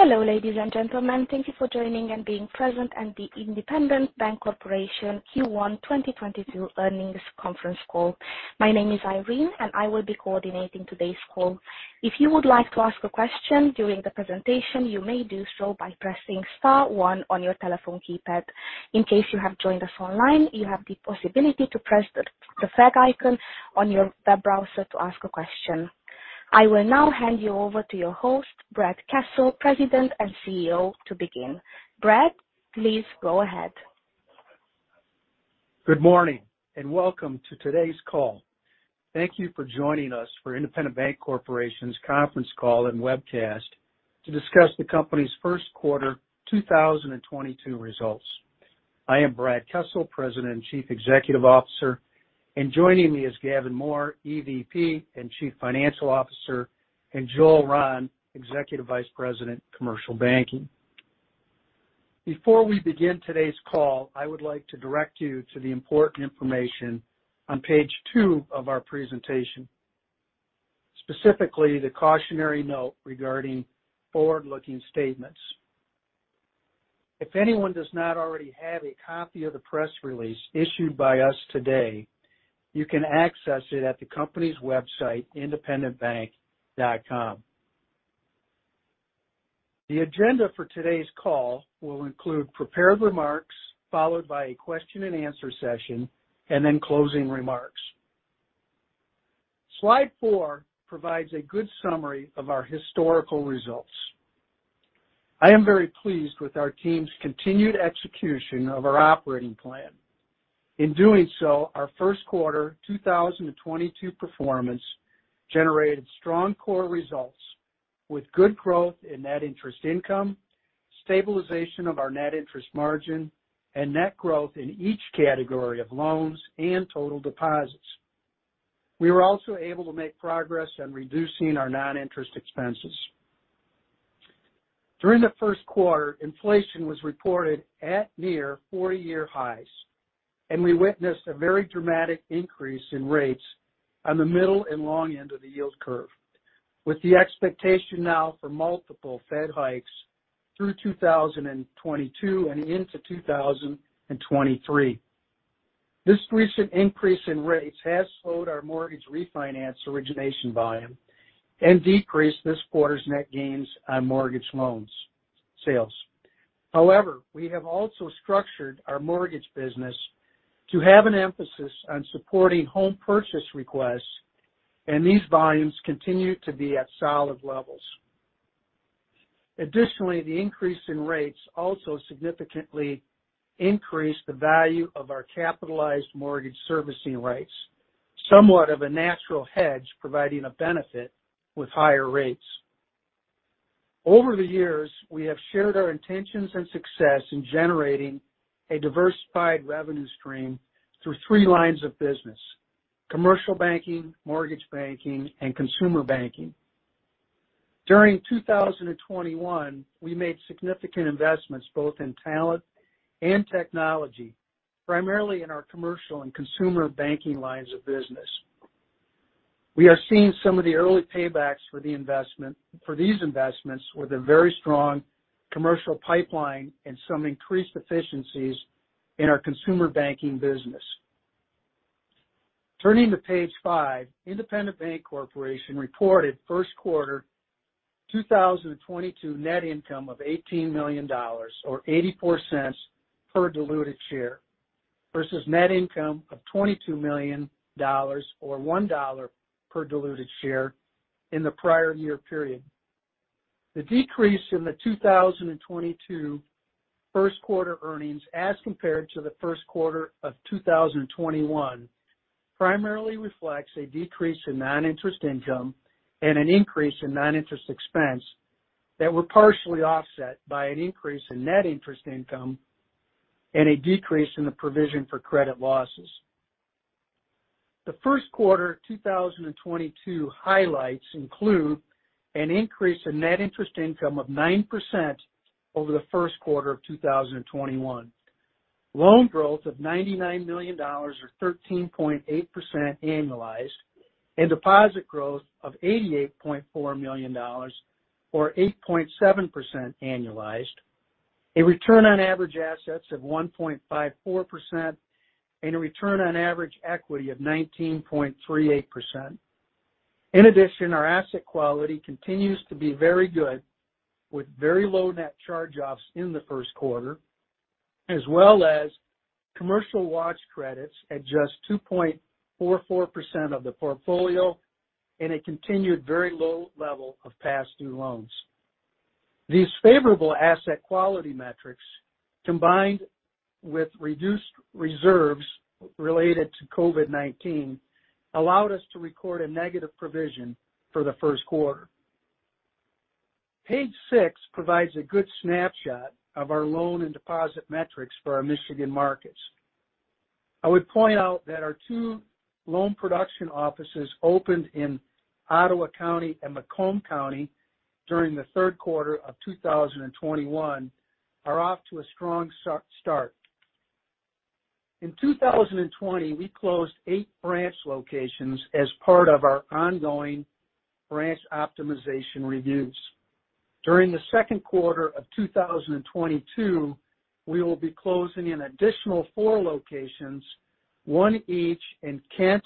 Hello, ladies and gentlemen. Thank you for joining and being present at the Independent Bank Corporation Q1 2022 earnings conference call. My name is Irene, and I will be coordinating today's call. If you would like to ask a question during the presentation, you may do so by pressing star one on your telephone keypad. In case you have joined us online, you have the possibility to press the flag icon on your web browser to ask a question. I will now hand you over to your host, Brad Kessel, President and CEO, to begin. Brad, please go ahead. Good morning and welcome to today's call. Thank you for joining us for Independent Bank Corporation's conference call and webcast to discuss the company's first quarter 2022 results. I am Brad Kessel, President and Chief Executive Officer, and joining me is Gavin Mohr EVP and Chief Financial Officer, and Joel Rahn, Executive Vice President, Commercial Banking. Before we begin today's call, I would like to direct you to the important information on page two of our presentation, specifically the cautionary note regarding forward-looking statements. If anyone does not already have a copy of the press release issued by us today, you can access it at the company's website, independentbank.com. The agenda for today's call will include prepared remarks, followed by a question-and-answer session, and then closing remarks. Slide four provides a good summary of our historical results. I am very pleased with our team's continued execution of our operating plan. In doing so, our first quarter 2022 performance generated strong core results with good growth in net interest income, stabilization of our net interest margin, and net growth in each category of loans and total deposits. We were also able to make progress on reducing our non-interest expenses. During the first quarter, inflation was reported at near 40-year highs, and we witnessed a very dramatic increase in rates on the middle and long end of the yield curve, with the expectation now for multiple Fed hikes through 2022 and into 2023. This recent increase in rates has slowed our mortgage refinance origination volume and decreased this quarter's net gains on mortgage loan sales. However, we have also structured our mortgage business to have an emphasis on supporting home purchase requests, and these volumes continue to be at solid levels. Additionally, the increase in rates also significantly increased the value of our capitalized mortgage servicing rights, somewhat of a natural hedge providing a benefit with higher rates. Over the years, we have shared our intentions and success in generating a diversified revenue stream through three lines of business: commercial banking, mortgage banking, and consumer banking. During 2021, we made significant investments both in talent and technology, primarily in our commercial and consumer banking lines of business. We are seeing some of the early paybacks for these investments with a very strong commercial pipeline and some increased efficiencies in our consumer banking business. Turning to page five, Independent Bank Corporation reported first quarter 2022 net income of $18 million or $0.84 per diluted share versus net income of $22 million or $1 per diluted share in the prior year period. The decrease in the 2022 first quarter earnings as compared to the first quarter of 2021 primarily reflects a decrease in non-interest income and an increase in non-interest expense that were partially offset by an increase in net interest income and a decrease in the provision for credit losses. The first quarter 2022 highlights include an increase in net interest income of 9% over the first quarter of 2021. Loan growth of $99 million or 13.8% annualized, and deposit growth of $88.4 million or 8.7% annualized. A return on average assets of 1.54% and a return on average equity of 19.38%. In addition, our asset quality continues to be very good with very low net charge-offs in the first quarter, as well as commercial watch credits at just 2.44% of the portfolio and a continued very low level of past due loans. These favorable asset quality metrics, combined with reduced reserves related to COVID-19, allowed us to record a negative provision for the first quarter. Page six provides a good snapshot of our loan and deposit metrics for our Michigan markets. I would point out that our two loan production offices opened in Ottawa County and Macomb County during the third quarter of 2021 are off to a strong start. In 2020, we closed eight branch locations as part of our ongoing branch optimization reviews. During the second quarter of 2022, we will be closing an additional four locations, one each in Kent,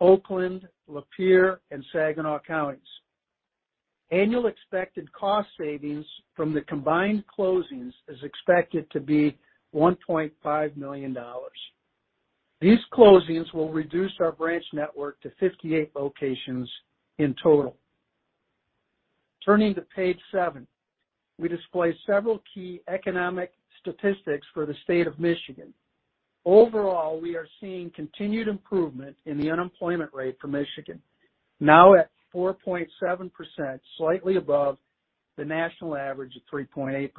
Oakland, Lapeer and Saginaw counties. Annual expected cost savings from the combined closings is expected to be $1.5 million. These closings will reduce our branch network to 58 locations in total. Turning to page seven, we display several key economic statistics for the state of Michigan. Overall, we are seeing continued improvement in the unemployment rate for Michigan, now at 4.7%, slightly above the national average of 3.8%.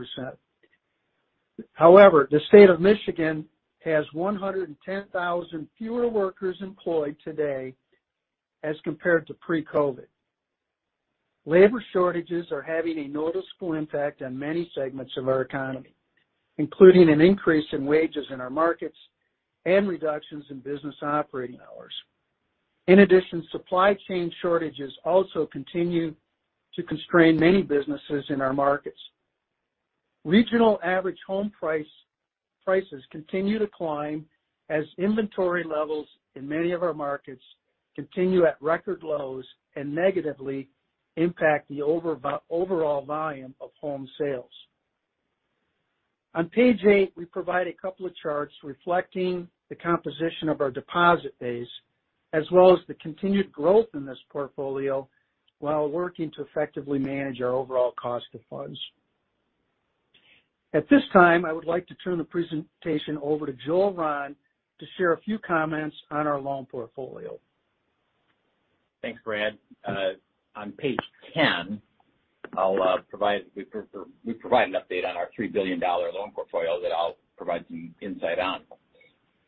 However, the state of Michigan has 110,000 fewer workers employed today as compared to pre-COVID. Labor shortages are having a noticeable impact on many segments of our economy, including an increase in wages in our markets and reductions in business operating hours. In addition, supply chain shortages also continue to constrain many businesses in our markets. Regional average home prices continue to climb as inventory levels in many of our markets continue at record lows and negatively impact the overall volume of home sales. On page eight, we provide a couple of charts reflecting the composition of our deposit base, as well as the continued growth in this portfolio while working to effectively manage our overall cost of funds. At this time, I would like to turn the presentation over to Joel Rahn to share a few comments on our loan portfolio. Thanks, Brad. On page 10, we provide an update on our $3 billion loan portfolio that I'll provide some insight on.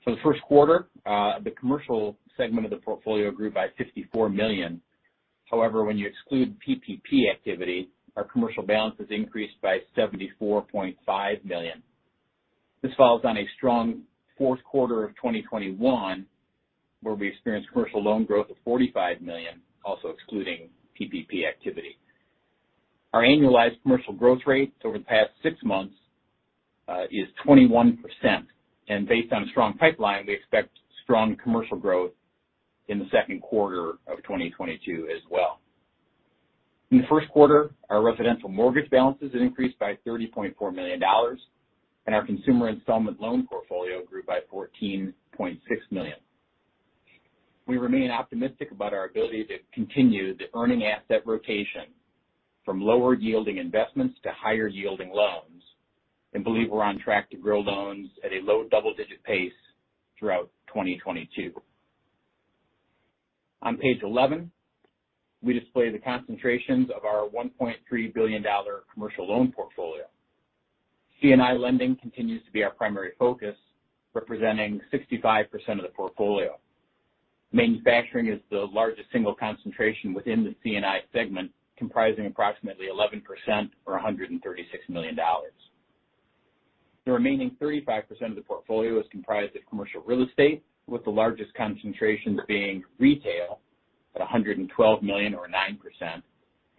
For the first quarter, the commercial segment of the portfolio grew by $54 million. However, when you exclude PPP activity, our commercial balances increased by $74.5 million. This follows on a strong fourth quarter of 2021, where we experienced commercial loan growth of $45 million, also excluding PPP activity. Our annualized commercial growth rates over the past six months is 21%. Based on a strong pipeline, we expect strong commercial growth in the second quarter of 2022 as well. In the first quarter, our residential mortgage balances had increased by $30.4 million, and our consumer installment loan portfolio grew by $14.6 million. We remain optimistic about our ability to continue the earning asset rotation from lower yielding investments to higher yielding loans, and believe we're on track to grow loans at a low double-digit pace throughout 2022. On page 11, we display the concentrations of our $1.3 billion commercial loan portfolio. C&I lending continues to be our primary focus, representing 65% of the portfolio. Manufacturing is the largest single concentration within the C&I segment, comprising approximately 11% or $136 million. The remaining 35% of the portfolio is comprised of commercial real estate, with the largest concentrations being retail at $112 million or 9%,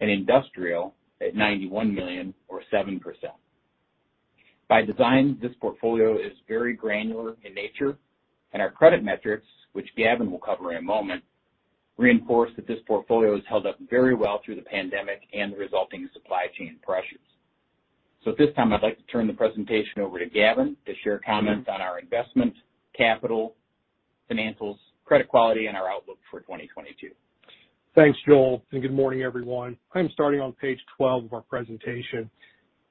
and industrial at $91 million or 7%. By design, this portfolio is very granular in nature, and our credit metrics, which Gavin will cover in a moment, reinforce that this portfolio has held up very well through the pandemic and the resulting supply chain pressures. At this time, I'd like to turn the presentation over to Gavin to share comments on our investment, capital, financials, credit quality, and our outlook for 2022. Thanks, Joel, and good morning, everyone. I am starting on page 12 of our presentation.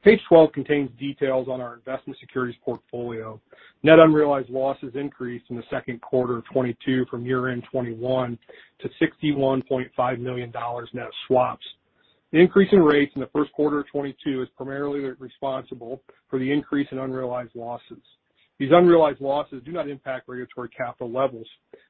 Page 12 contains details on our investment securities portfolio. Net unrealized losses increased in the second quarter of 2022 from year-end 2021 to $61.5 million net of swaps. The increase in rates in the first quarter of 2022 is primarily responsible for the increase in unrealized losses. These unrealized losses do not impact regulatory capital levels.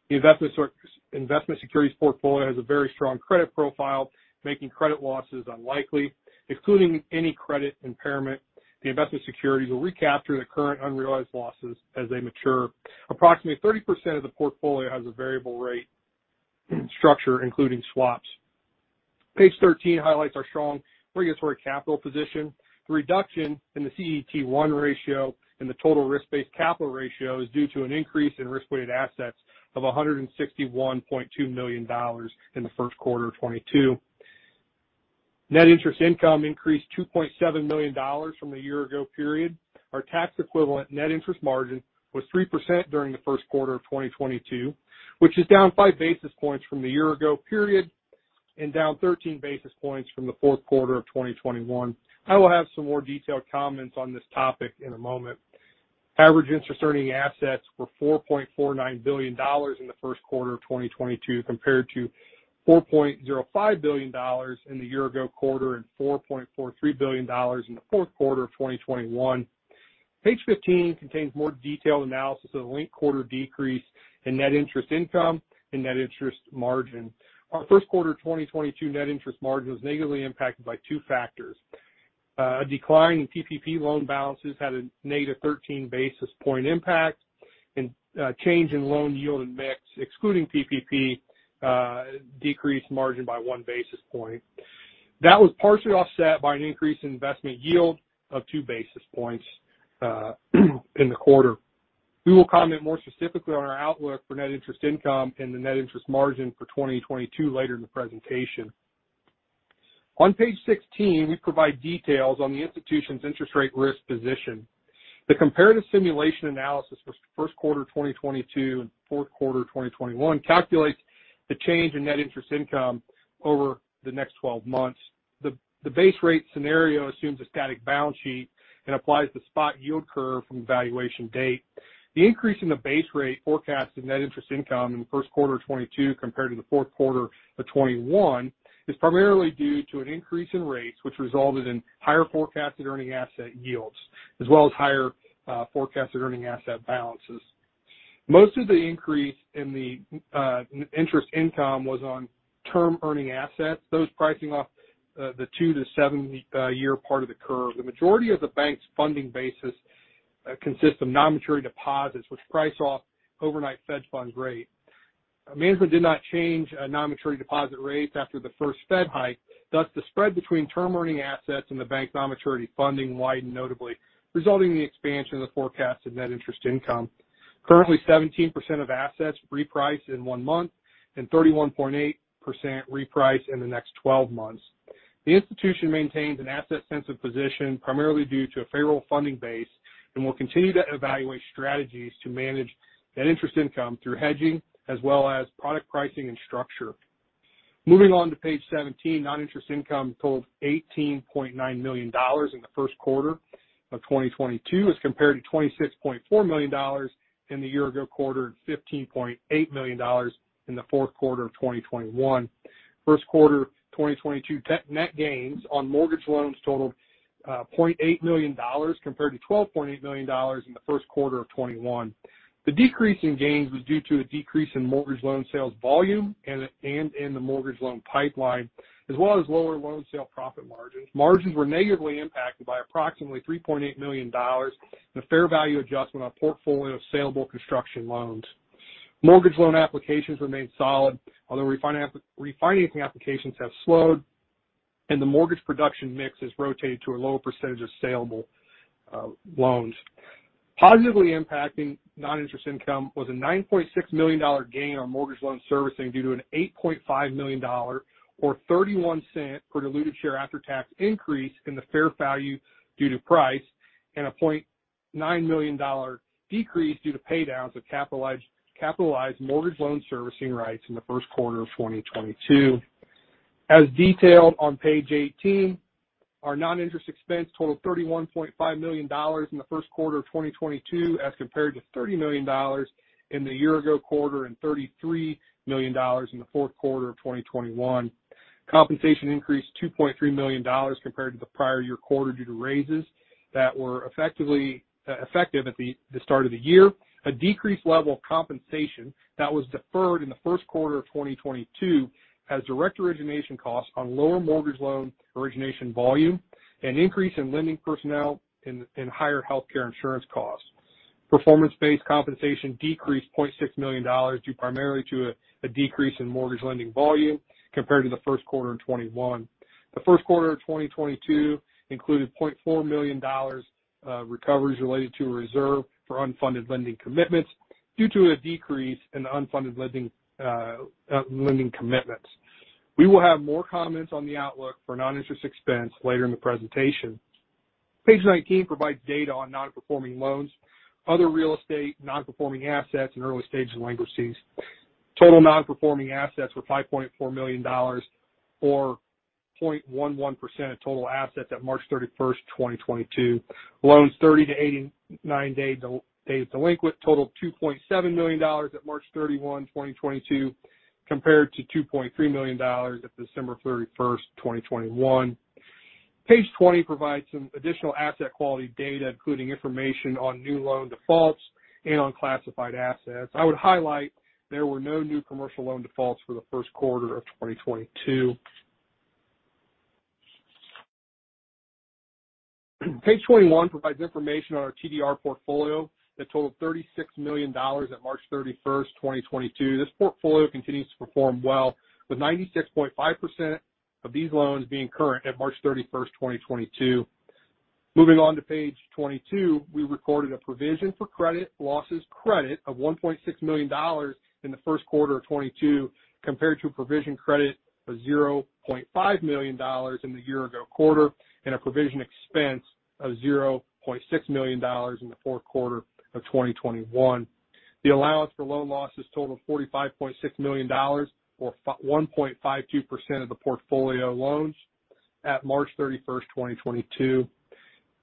The investment securities portfolio has a very strong credit profile, making credit losses unlikely. Excluding any credit impairment, the investment securities will recapture the current unrealized losses as they mature. Approximately 30% of the portfolio has a variable rate structure, including swaps. Page 13 highlights our strong regulatory capital position. The reduction in the CET1 ratio and the total risk-based capital ratio is due to an increase in risk-weighted assets of $161.2 million in the first quarter of 2022. Net interest income increased $2.7 million from the year ago period. Our tax equivalent net interest margin was 3% during the first quarter of 2022, which is down five basis points from the year ago period and down thirteen basis points from the fourth quarter of 2021. I will have some more detailed comments on this topic in a moment. Average interest earning assets were $4.49 billion in the first quarter of 2022 compared to $4.05 billion in the year ago quarter and $4.43 billion in the fourth quarter of 2021. Page 15 contains more detailed analysis of the linked quarter decrease in net interest income and net interest margin. Our first quarter 2022 net interest margin was negatively impacted by two factors. A decline in PPP loan balances had a negative 13 basis point impact, and change in loan yield and mix excluding PPP decreased margin by 1 basis point. That was partially offset by an increase in investment yield of 2 basis points in the quarter. We will comment more specifically on our outlook for net interest income and the net interest margin for 2022 later in the presentation. On page 16, we provide details on the institution's interest rate risk position. The comparative simulation analysis for first quarter 2022 and fourth quarter of 2021 calculates the change in net interest income over the next 12 months. The base rate scenario assumes a static balance sheet and applies the spot yield curve from evaluation date. The increase in the base rate forecast in net interest income in the first quarter of 2022 compared to the fourth quarter of 2021 is primarily due to an increase in rates, which resulted in higher forecasted earning asset yields as well as higher forecasted earning asset balances. Most of the increase in the interest income was on term earning assets, those pricing off the two to seven year part of the curve. The majority of the bank's funding basis consists of non-maturity deposits which price off overnight Fed Funds rate. Management did not change non-maturity deposit rates after the first Fed hike, thus the spread between term earning assets and the bank's non-maturity funding widened notably, resulting in the expansion of the forecast in net interest income. Currently, 17% of assets reprice in one month and 31.8% reprice in the next twelve months. The institution maintains an asset-sensitive position primarily due to a federal funding base and will continue to evaluate strategies to manage net interest income through hedging as well as product pricing and structure. Moving on to page 17, non-interest income totaled $18.9 million in the first quarter of 2022 as compared to $26.4 million in the year ago quarter and $15.8 million in the fourth quarter of 2021. First quarter 2022 net gains on mortgage loans totaled $0.8 million compared to $12.8 million in the first quarter of 2021. The decrease in gains was due to a decrease in mortgage loan sales volume and in the mortgage loan pipeline, as well as lower loan sale profit margins. Margins were negatively impacted by approximately $3.8 million in a fair value adjustment on a portfolio of salable construction loans. Mortgage loan applications remained solid, although refinancing applications have slowed and the mortgage production mix has rotated to a lower percentage of salable loans. Positively impacting non-interest income was a $9.6 million gain on mortgage loan servicing due to an $8.5 million or $0.31 per diluted share after tax increase in the fair value due to price and a $0.9 million decrease due to pay downs of capitalized mortgage loan servicing rights in the first quarter of 2022. As detailed on page 18, our non-interest expense totaled $31.5 million in the first quarter of 2022, as compared to $30 million in the year ago quarter and $33 million in the fourth quarter of 2021. Compensation increased $2.3 million compared to the prior year quarter due to raises that were effective at the start of the year. A decreased level of compensation that was deferred in the first quarter of 2022, higher direct origination costs on lower mortgage loan origination volume, an increase in lending personnel and higher healthcare insurance costs. Performance-based compensation decreased $0.6 million due primarily to a decrease in mortgage lending volume compared to the first quarter in 2021. The first quarter of 2022 included $0.4 million recoveries related to a reserve for unfunded lending commitments due to a decrease in unfunded lending commitments. We will have more comments on the outlook for non-interest expense later in the presentation. Page 19 provides data on non-performing loans, other real estate non-performing assets and early stage delinquencies. Total non-performing assets were $5.4 million or 0.11% of total assets at March 31st, 2022. Loans 30- to 89-days delinquent totaled $2.7 million at March 31, 2022, compared to $2.3 million at December 31st, 2021. Page 20 provides some additional asset quality data, including information on new loan defaults and on classified assets. I would highlight there were no new commercial loan defaults for the first quarter of 2022. Page 21 provides information on our TDR portfolio that totaled $36 million at March 31st, 2022. This portfolio continues to perform well, with 96.5% of these loans being current at March 31st, 2022. Moving on to page 22, we recorded a provision for credit losses credit of $1.6 million in the first quarter of 2022 compared to a provision credit of $0.5 million in the year-ago quarter and a provision expense of $0.6 million in the fourth quarter of 2021. The allowance for loan losses totaled $45.6 million or 1.52% of the portfolio loans at March 31st, 2022.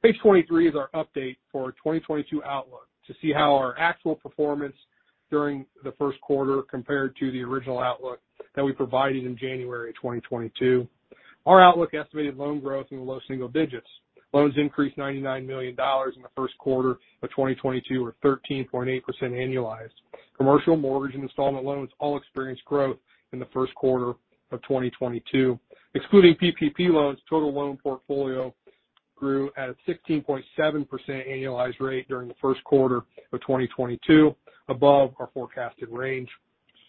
Page 23 is our update for our 2022 outlook to see how our actual performance during the first quarter compared to the original outlook that we provided in January 2022. Our outlook estimated loan growth in the low single digits. Loans increased $99 million in the first quarter of 2022 or 13.8% annualized. Commercial mortgage and installment loans all experienced growth in the first quarter of 2022. Excluding PPP loans, total loan portfolio grew at 16.7% annualized rate during the first quarter of 2022, above our forecasted range.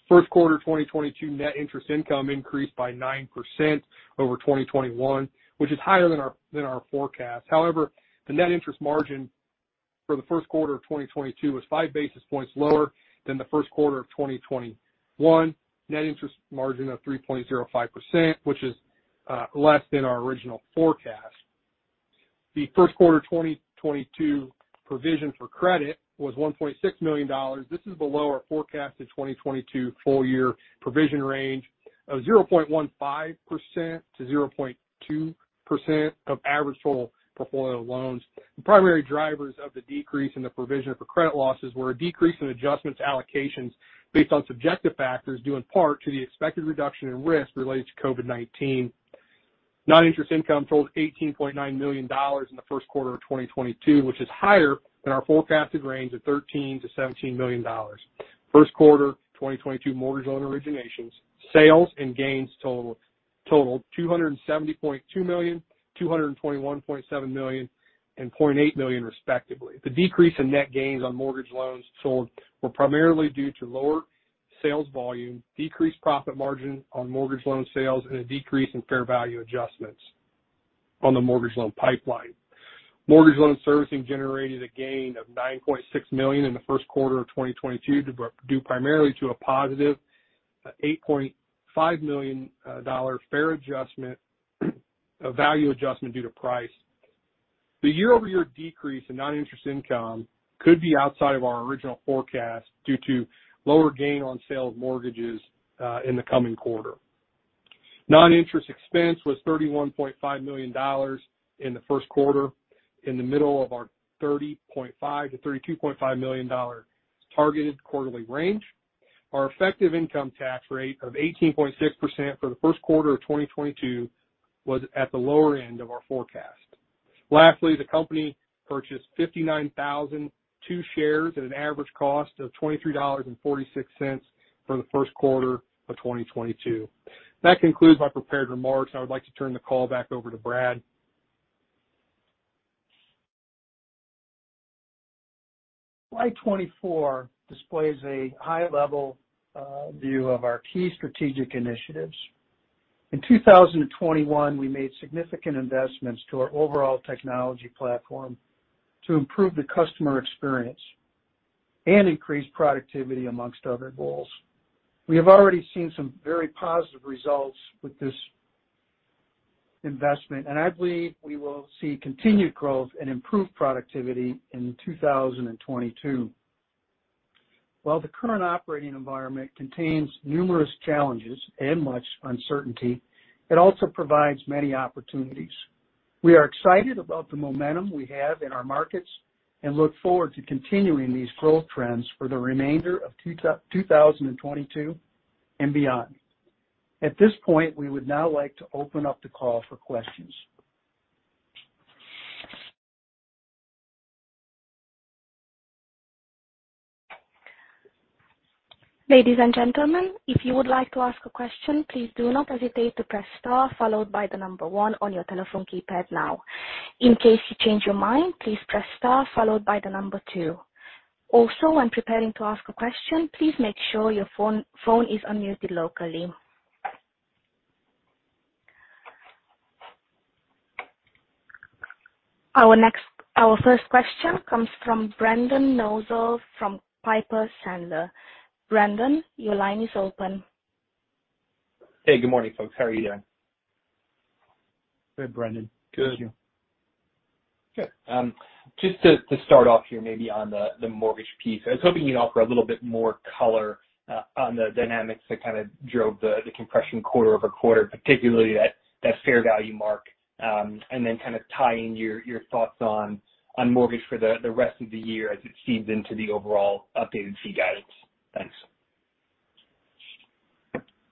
First quarter 2022 net interest income increased by 9% over 2021, which is higher than our forecast. However, the net interest margin for the first quarter of 2022 was five basis points lower than the first quarter of 2021. Net interest margin of 3.05%, which is less than our original forecast. The first quarter 2022 provision for credit was $1.6 million. This is below our forecasted 2022 full year provision range of 0.15%-0.20% of average total portfolio loans. The primary drivers of the decrease in the provision for credit losses were a decrease in adjustments allocations based on subjective factors, due in part to the expected reduction in risk related to COVID-19. Non-interest income totaled $18.9 million in the first quarter of 2022, which is higher than our forecasted range of $13 million-$17 million. First quarter 2022 mortgage loan originations, sales, and gains totaled $270.2 million, $221.7 million, and $0.8 million respectively. The decrease in net gains on mortgage loans sold were primarily due to lower sales volume, decreased profit margin on mortgage loan sales, and a decrease in fair value adjustments on the mortgage loan pipeline. Mortgage loan servicing generated a gain of $9.6 million in the first quarter of 2022 due primarily to a positive $8.5 million fair value adjustment due to price. The year-over-year decrease in non-interest income could be outside of our original forecast due to lower gain on sale of mortgages in the coming quarter. Non-interest expense was $31.5 million in the first quarter, in the middle of our $30.5 million-$32.5 million targeted quarterly range. Our effective income tax rate of 18.6% for the first quarter of 2022 was at the lower end of our forecast. Lastly, the company purchased 59,002 shares at an average cost of $23.46 for the first quarter of 2022. That concludes my prepared remarks. I would like to turn the call back over to Brad. Slide 24 displays a high level view of our key strategic initiatives. In 2021, we made significant investments to our overall technology platform to improve the customer experience and increase productivity amongst other goals. We have already seen some very positive results with this investment, and I believe we will see continued growth and improved productivity in 2022. While the current operating environment contains numerous challenges and much uncertainty, it also provides many opportunities. We are excited about the momentum we have in our markets and look forward to continuing these growth trends for the remainder of 2022 and beyond. At this point, we would now like to open up the call for questions. Our first question comes from Brendan Nosal from Piper Sandler. Brendan, your line is open. Hey, good morning, folks. How are you doing? Good, Brendan. Good. Thank you. Good. Just to start off here maybe on the mortgage piece. I was hoping you'd offer a little bit more color on the dynamics that kind of drove the compression quarter over quarter, particularly that fair value mark, and then kind of tie in your thoughts on mortgage for the rest of the year as it feeds into the overall updated fee guidance. Thanks.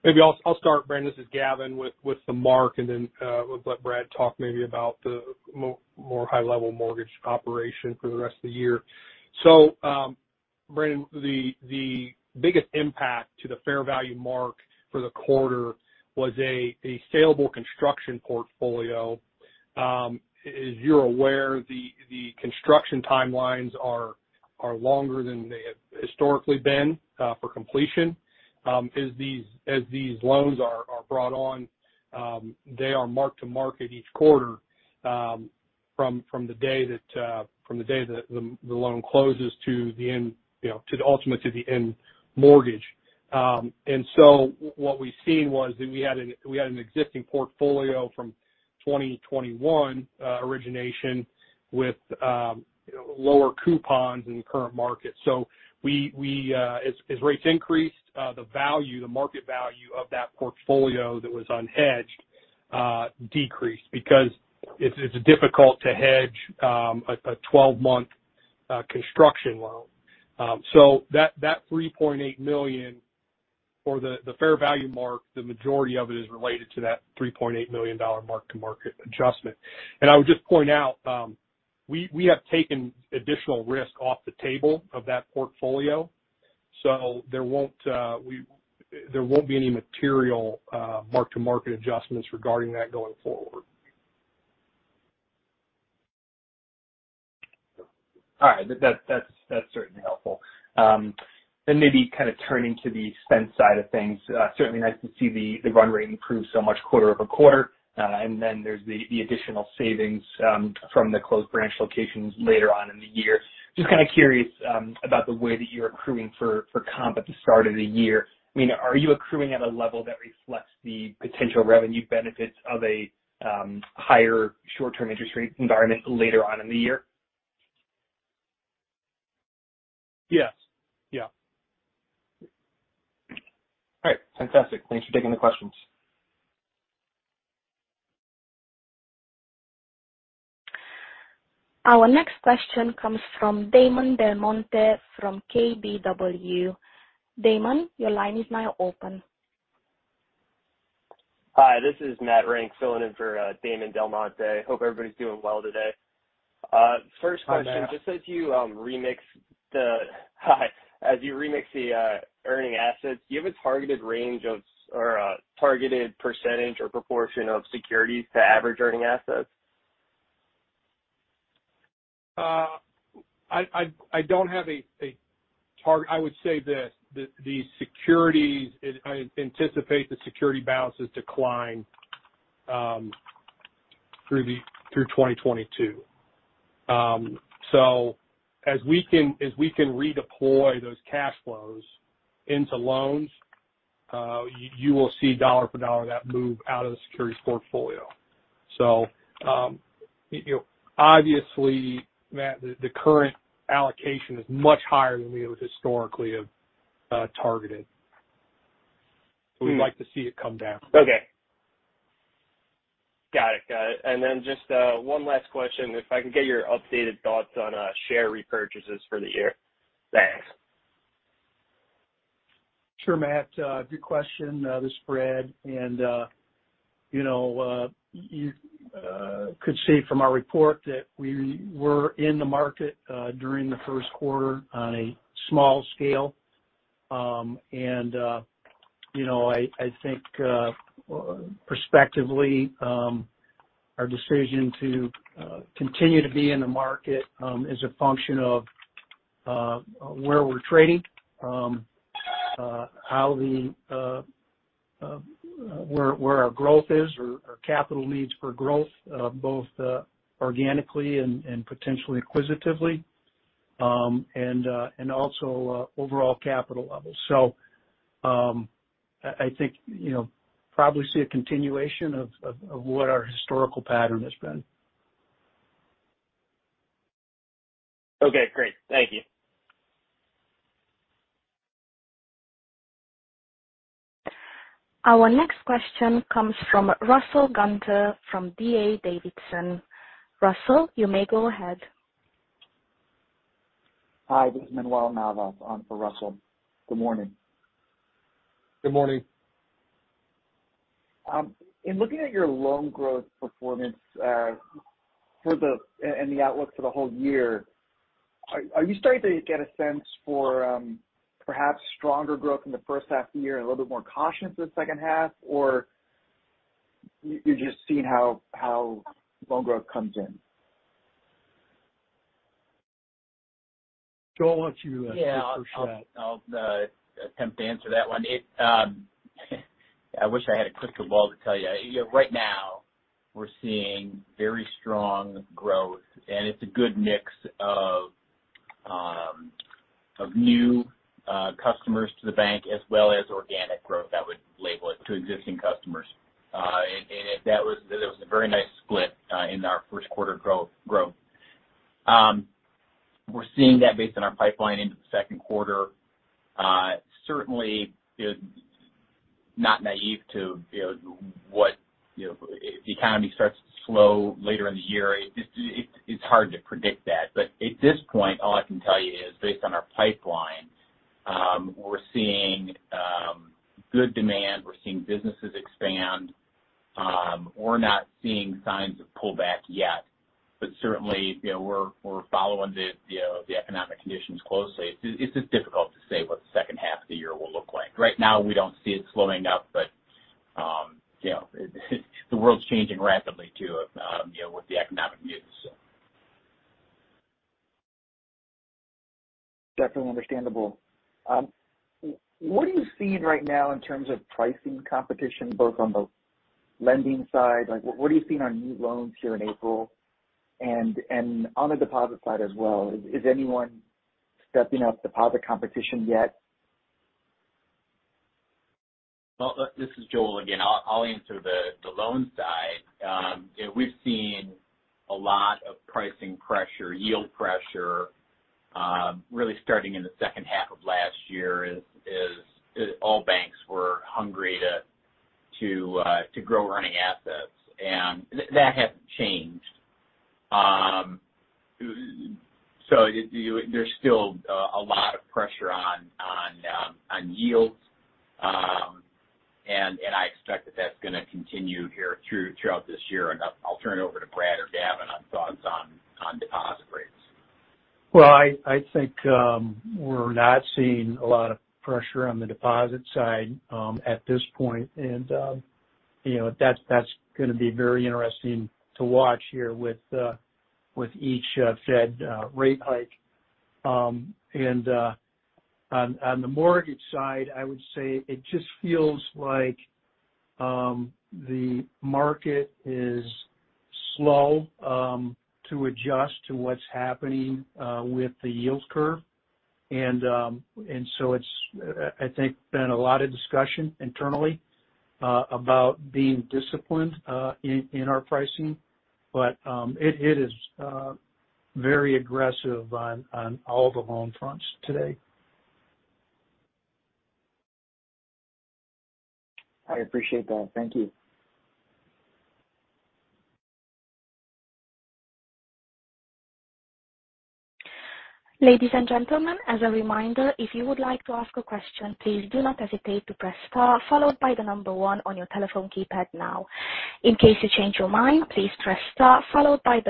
Maybe I'll start, Brendan. This is Gavin with the mark and then we'll let Brad talk maybe about the more high level mortgage operation for the rest of the year. Brendan, the biggest impact to the fair value mark for the quarter was a salable construction portfolio. As you're aware, the construction timelines are longer than they have historically been for completion. As these loans are brought on, they are marked to market each quarter from the day that the loan closes to the end, you know, to the ultimate, to the end mortgage. What we've seen was that we had an existing portfolio from 2021 origination with, you know, lower coupons in the current market. We, as rates increased, the market value of that portfolio that was unhedged decreased because it's difficult to hedge a 12-month construction loan. That $3.8 million. For the fair value mark, the majority of it is related to that $3.8 million mark-to-market adjustment. I would just point out, we have taken additional risk off the table of that portfolio, so there won't be any material mark-to-market adjustments regarding that going forward. All right. That's certainly helpful. Maybe kind of turning to the spend side of things. Certainly nice to see the run rate improve so much quarter-over-quarter. There's the additional savings from the closed branch locations later on in the year. Just kind of curious about the way that you're accruing for comp at the start of the year. I mean, are you accruing at a level that reflects the potential revenue benefits of a higher short-term interest rate environment later on in the year? Yes. Yeah. All right. Fantastic. Thanks for taking the questions. Our next question comes from Damon DelMonte from KBW. Damon, your line is now open. Hi, this is Matt Renck filling in for Damon DelMonte. Hope everybody's doing well today. Hi, Matt. As you remix the earning assets, do you have a targeted range or a targeted percentage or proportion of securities to average earning assets? I don't have a target. I would say this, I anticipate the securities balances decline through 2022. As we can redeploy those cash flows into loans, you will see dollar for dollar that move out of the securities portfolio. Obviously, Matt, the current allocation is much higher than we historically have targeted. We'd like to see it come down. Okay. Got it. Just one last question. If I can get your updated thoughts on share repurchases for the year. Thanks. Sure, Matt. Good question. This is Brad. You could see from our report that we were in the market during the first quarter on a small scale. I think prospectively our decision to continue to be in the market is a function of where we're trading, where our growth is or our capital needs for growth, both organically and potentially acquisitively, and also overall capital levels. I think you know probably see a continuation of what our historical pattern has been. Okay, great. Thank you. Our next question comes from Russell Gunther from D.A. Davidson. Russell, you may go ahead. Hi, this is Manuel Navas on for Russell. Good morning. Good morning. In looking at your loan growth performance and the outlook for the whole year, are you starting to get a sense for perhaps stronger growth in the first half of the year and a little bit more cautious in the second half, or you're just seeing how loan growth comes in? Joel, why don't you take the first shot? Yeah. I'll attempt to answer that one. I wish I had a crystal ball to tell you. Right now we're seeing very strong growth, and it's a good mix of new customers to the bank as well as organic growth, I would label it, to existing customers. There was a very nice split in our first quarter growth. We're seeing that based on our pipeline into the second quarter. Certainly not naive to, you know, what, you know, if the economy starts to slow later in the year. It's hard to predict that. At this point, all I can tell you is based on our pipeline, we're seeing good demand. We're seeing businesses expand. We're not seeing signs of pullback yet, but certainly, you know, we're following the economic conditions closely. It's just difficult to say what the second half of the year will look like. Right now we don't see it slowing up, but the world's changing rapidly too, you know, with the economic news, so. Definitely understandable. What are you seeing right now in terms of pricing competition, both on the lending side? Like, what are you seeing on new loans here in April? On the deposit side as well, is anyone stepping up deposit competition yet? Well, this is Joel again. I'll answer the loan side. We've seen a lot of pricing pressure, yield pressure, really starting in the second half of last year as all banks were hungry to grow earning assets. That hasn't changed. There's still a lot of pressure on yields. And I expect that that's gonna continue here throughout this year. I'll turn it over to Brad or Gavin on thoughts on deposit rates. Well, I think we're not seeing a lot of pressure on the deposit side at this point. That's gonna be very interesting to watch here with each Fed rate hike. On the mortgage side, I would say it just feels like the market is slow to adjust to what's happening with the yield curve. It's been a lot of discussion internally about being disciplined in our pricing. It is very aggressive on all the loan fronts today. I appreciate that. Thank you. Ladies and gentlemen, as a reminder, if you would like to ask a question, please do not hesitate to press star followed by one on your telephone keypad now. In case you change your mind, please press star followed by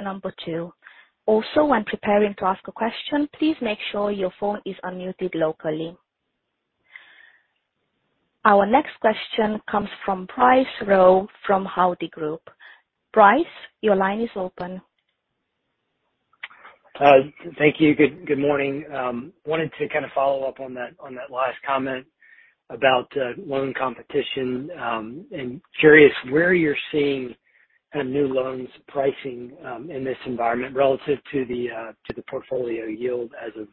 two. Also, when preparing to ask a question, please make sure your phone is unmuted locally. Our next question comes from Bryce Rowe from Hovde Group. Bryce, your line is open. Thank you. Good morning. Wanted to kind of follow up on that last comment about loan competition. Curious where you're seeing kind of new loans pricing in this environment relative to the portfolio yield as of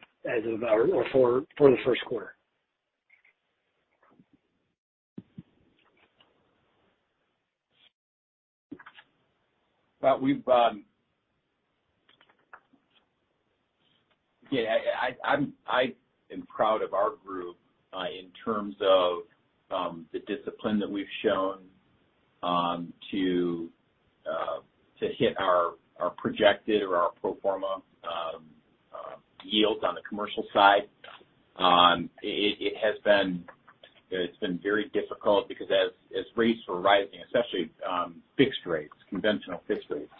or for the first quarter. I am proud of our group in terms of the discipline that we've shown to hit our projected or our pro forma yields on the commercial side. It has been very difficult because rates were rising, especially fixed rates, conventional fixed rates,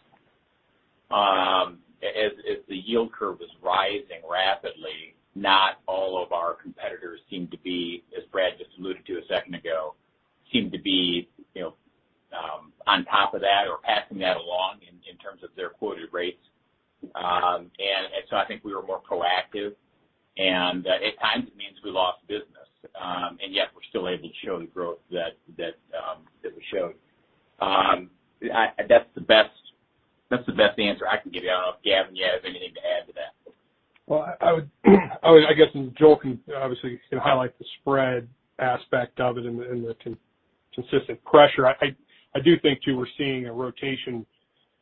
as the yield curve was rising rapidly, not all of our competitors seemed to be as Brad just alluded to a second ago on top of that or passing that along in terms of their quoted rates. I think we were more proactive. At times it means we lost business. We're still able to show the growth that we showed. That's the best answer I can give you. I don't know if Gavin, you have anything to add to that. Well, I would guess Joel can obviously highlight the spread aspect of it and the consistent pressure. I do think too we're seeing a rotation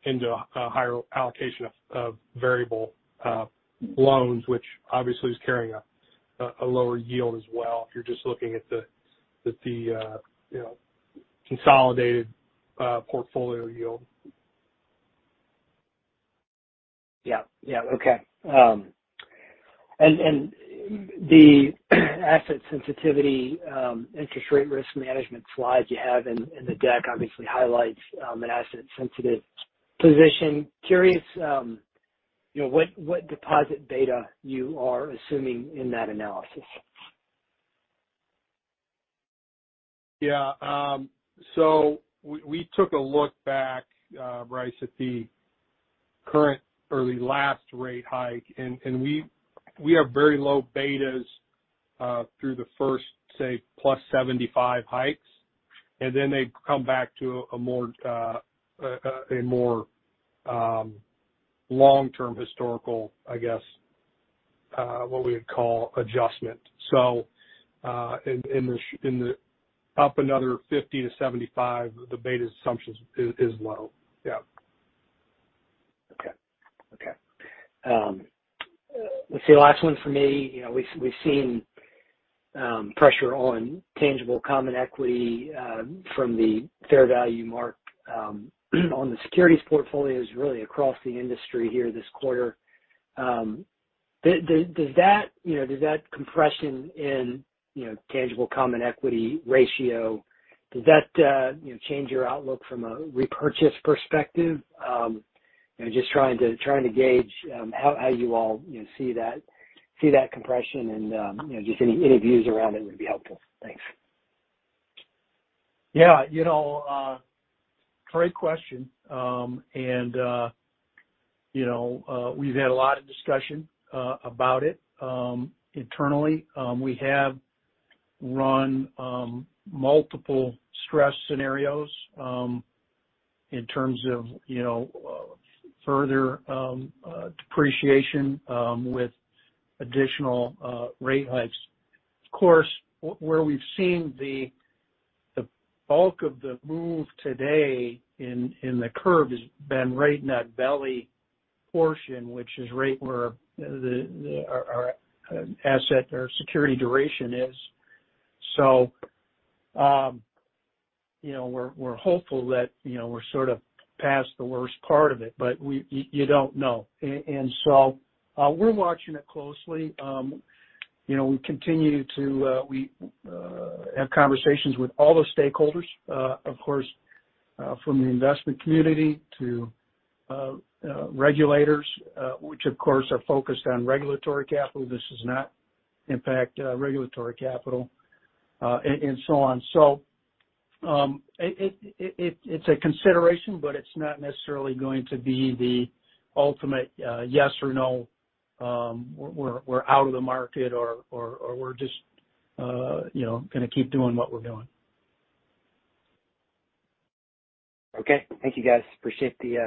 into a higher allocation of variable loans, which obviously is carrying a lower yield as well if you're just looking at the consolidated portfolio yield. Yeah. Yeah. Okay. The asset sensitivity, interest rate risk management slide you have in the deck obviously highlights an asset sensitive position. I'm curious, you know, what deposit beta you are assuming in that analysis. Yeah. We took a look back, Bryce, at the current or the last rate hike, and we have very low betas through the first, say, +75 hikes. Then they come back to a more long-term historical, I guess, what we would call adjustment. In the up another 50-75, the beta assumption is low. Yeah. Okay. This is the last one for me. You know, we've seen pressure on tangible common equity from the fair value mark on the securities portfolios really across the industry here this quarter. Does that compression in tangible common equity ratio change your outlook from a repurchase perspective? You know, just trying to gauge how you all see that compression and you know just any views around it would be helpful. Thanks. Yeah. You know, great question. You know, we've had a lot of discussion about it internally. We have run multiple stress scenarios in terms of further depreciation with additional rate hikes. Of course, where we've seen the bulk of the move today in the curve has been right in that belly portion, which is right where our asset or security duration is. You know, we're hopeful that we're sort of past the worst part of it, but you don't know. We're watching it closely. You know, we continue to have conversations with all the stakeholders, of course, from the investment community to regulators, which of course are focused on regulatory capital. This does not impact regulatory capital, and so on. It's a consideration, but it's not necessarily going to be the ultimate yes or no we're out of the market or we're just, you know, gonna keep doing what we're doing. Okay. Thank you, guys. Appreciate the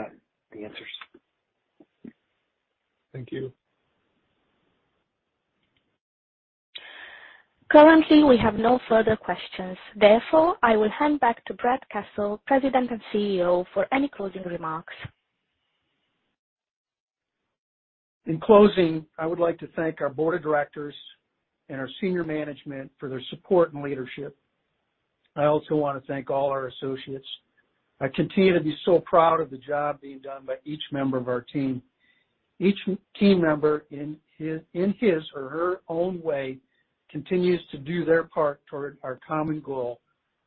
answers. Thank you. Currently, we have no further questions. Therefore, I will hand back to Brad Kessel, President and CEO, for any closing remarks. In closing, I would like to thank our board of directors and our senior management for their support and leadership. I also wanna thank all our associates. I continue to be so proud of the job being done by each member of our team. Each team member in his or her own way continues to do their part toward our common goal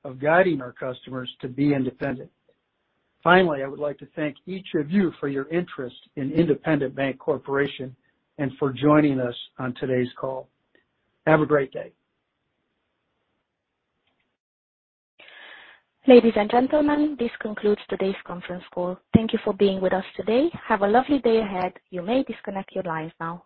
of guiding our customers to be independent. Finally, I would like to thank each of you for your interest in Independent Bank Corporation and for joining us on today's call. Have a great day. Ladies and gentlemen, this concludes today's conference call. Thank you for being with us today. Have a lovely day ahead. You may disconnect your lines now.